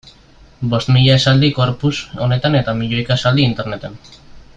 Bost mila esaldi corpus honetan eta milioika esaldi interneten.